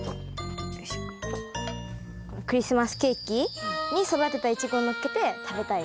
クリスマスケーキに育てたイチゴをのっけて食べたい。